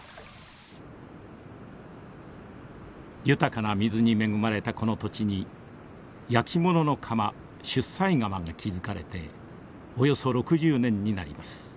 豊かな水に恵まれたこの土地にやきものの窯出西窯が築かれておよそ６０年になります。